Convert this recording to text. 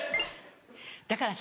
だからさ